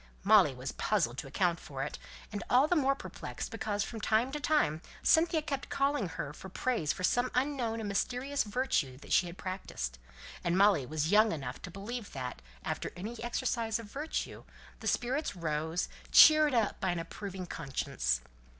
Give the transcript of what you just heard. Molly was puzzled to account for it; and all the more perplexed because from time to time Cynthia kept calling upon her for praise for some unknown and mysterious virtue that she had practised; and Molly was young enough to believe that, after any exercise of virtue, the spirits rose, cheered up by an approving conscience.